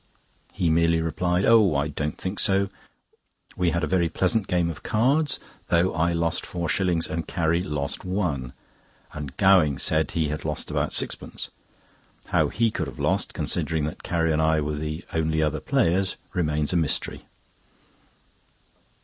He merely replied: "Oh! I don't think so." We had a very pleasant game of cards, though I lost four shillings and Carrie lost one, and Gowing said he had lost about sixpence: how he could have lost, considering that Carrie and I were the only other players, remains a mystery.